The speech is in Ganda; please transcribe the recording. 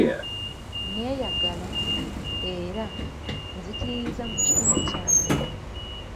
Neeyagala era nzikiririza mu kitone kyange.